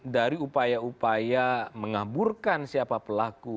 dari upaya upaya mengaburkan siapa pelaku